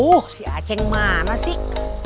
duh si aceh yang mana sih